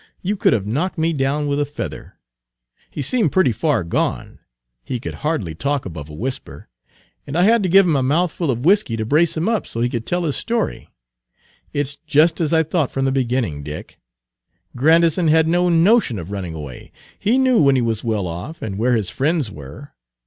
You could have knocked me down with a feather. He seemed pretty far gone, he could hardly talk above a whisper, and I had to give him a mouthful of whiskey to brace him up so he could tell his story. It's just as I thought from the beginning, Dick; Grandison had no notion of running away; he knew when he was well off, and where his friends were.